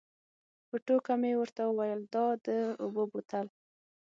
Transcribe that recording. په ټوکه مې ورته وویل دا د اوبو بوتل.